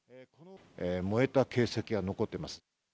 燃えた形跡が残っています。